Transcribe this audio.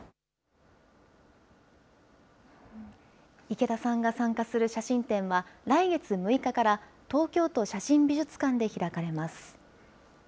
池田さんが参加する写真展は、来月６日から東京都写真美術館で開かれます。